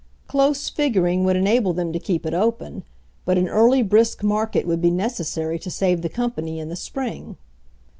Close figuring would enable them to keep it open, but an early, brisk market would be necessary to save the company in the spring.